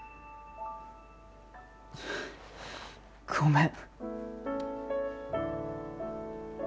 ごめん。